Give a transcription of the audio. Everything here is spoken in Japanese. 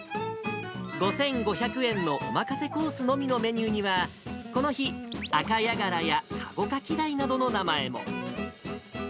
５５００円のおまかせコースのみのメニューには、この日、赤ヤガラやカゴカキダイなどの名前も。